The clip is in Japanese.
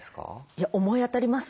いや思い当たります。